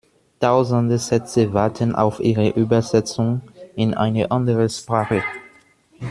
Tausende Sätze warten auf ihre Übersetzung in eine andere Sprache.